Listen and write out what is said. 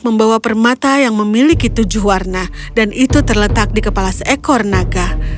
membawa permata yang memiliki tujuh warna dan itu terletak di kepala seekor naga